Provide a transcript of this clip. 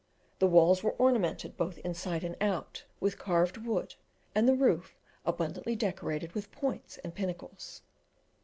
The walls were ornamented, both inside and out, with carved wood work, and the roof abundantly decorated with points and pinnacles.